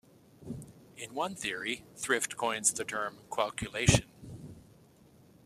In one theory, Thrift coins the term qualculation.